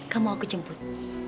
kamu aku jemput